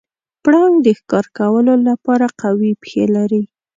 پړانګ د ښکار کولو لپاره قوي پښې لري.